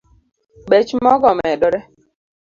Bech mogo omedore